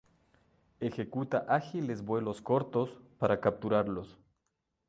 Ejecuta ágiles vuelos cortos para capturarlos.